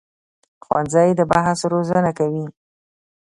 ښوونځی د بحث روزنه کوي